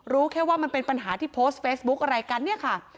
รู้แค่ว่ามันเป็นปัญหาที่โพสต์เฟซบุ๊กอะไรกันเนี่ยค่ะ